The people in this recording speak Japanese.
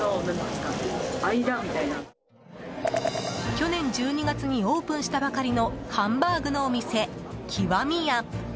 去年１２月にオープンしたばかりのハンバーグのお店、極味や。